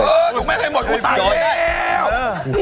เออถูกแม่งให้หมดคนตายแล้ว